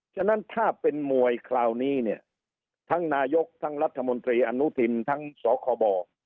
ฉะนั้นถ้าเป็นมวยคราวนี้เนี่ยทั้งนายกทั้งรัฐมนตรีอนุทินทั้งสคบ